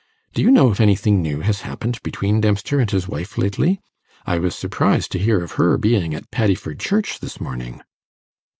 Do you know if anything new has happened between Dempster and his wife lately? I was surprised to hear of her being at Paddiford Church this morning.